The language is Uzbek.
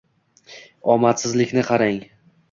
Omadsizlikni qarang!